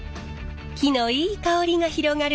木のいい香りが広がる